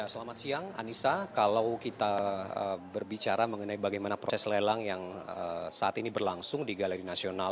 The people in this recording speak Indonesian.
selamat siang anissa kalau kita berbicara mengenai bagaimana proses lelang yang saat ini berlangsung di galeri nasional